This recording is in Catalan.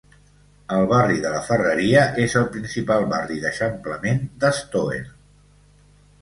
El barri de la Ferreria és el principal barri d'eixamplament d'Estoer.